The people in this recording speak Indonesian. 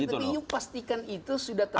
tapi pastikan itu sudah terjadi